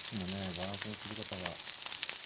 バランスの取り方が。